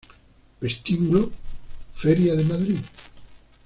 Vestíbulo Feria de Madrid